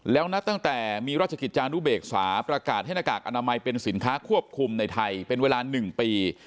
แล้วนับตั้งแต่มีราชกิจจานุเบกษาประกาศให้หน้ากากอนามัยเป็นสินค้าควบคุมในไทยเป็นเวลา๑ปี